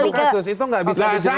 itu kasus itu gak bisa dijenualisir